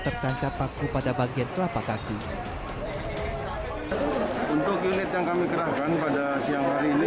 tertancap paku pada bagian telapa kaki untuk unit yang kami kerahkan pada siang hari ini